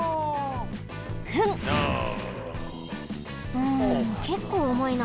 うんけっこうおもいな。